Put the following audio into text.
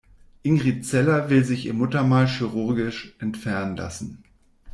Ingrid Zeller will sich ihr Muttermal chirurgisch entfernen lassen.